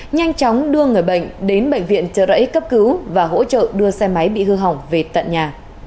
nhanh chóng đưa người bệnh đến bệnh viện trợ rẫy cấp cứu và hỗ trợ đưa xe máy bị hư hỏng về tận nhà